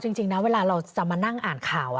จริงนะเวลาเราจะมานั่งอ่านข่าว